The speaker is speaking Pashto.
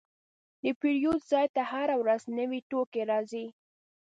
د پیرود ځای ته هره ورځ نوي توکي راځي.